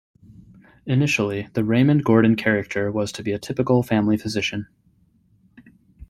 Initially, the Raymond Gordon character was to be a typical family physician.